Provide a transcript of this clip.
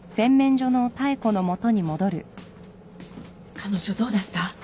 彼女どうだった？